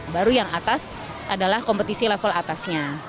baru yang atas adalah kompetisi level atasnya